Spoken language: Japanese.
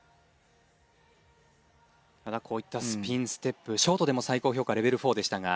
ただこういったスピンステップショートでも最高評価レベル４でしたが。